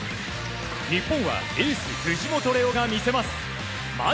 日本はエース藤本怜央が見せます。